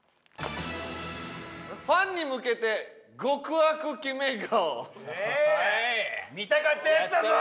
「ファンに向けて極悪決め顔」見たかったやつだぞ！